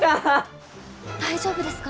大丈夫ですか？